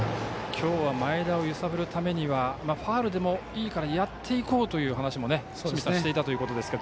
今日は前田を揺さぶるためにはファウルでもいいからやっていこうという話もしていたということですが。